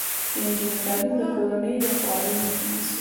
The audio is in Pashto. د نجونو تعلیم د کورنۍ خوارۍ مخه نیسي.